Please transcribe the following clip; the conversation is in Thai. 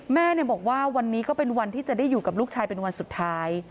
แม่บอกว่าวันนี้ก็เป็นวันที่จะได้อยู่กับลูกชายเป็นวันสุดท้าย